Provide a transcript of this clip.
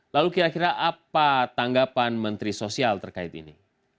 lalu kira kira apa tanggapan menteri sosial terkait ini